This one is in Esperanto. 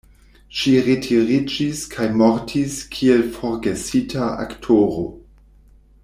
Ŝi retiriĝis kaj mortis kiel forgesita aktoro.